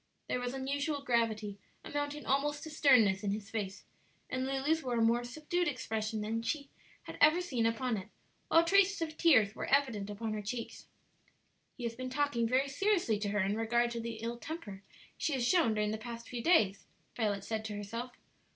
There was unusual gravity, amounting almost to sternness, in his face, and Lulu's wore a more subdued expression than she had ever seen upon it, while traces of tears were evident upon her cheeks, "He has been talking very seriously to her in regard to the ill temper she has shown during the past few days," Violet said to herself.